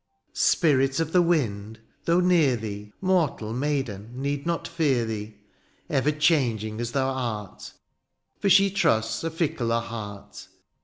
fC *' Spirit of the wind, though near thee, ^' Mortal maiden need not fear thee, ^^ Ever changing as thou art ;" For she trusts a fickler heart.